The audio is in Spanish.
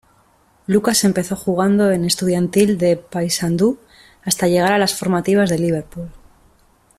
Lucas empezó jugando en Estudiantil de Paysandú, hasta llegar a las formativas de Liverpool.